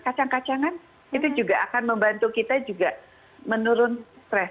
kacang kacangan itu juga akan membantu kita juga menurun stres